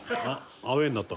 アウェイになった。